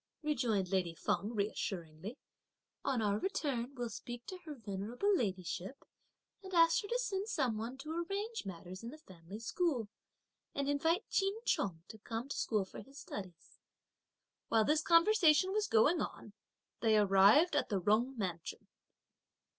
rejoined lady Feng reassuringly; "on our return we'll speak to her venerable ladyship and ask her to send some one to arrange matters in the family school, and invite Ch'in Chung to come to school for his studies." While yet this conversation was going on, they arrived at the Jung Mansion.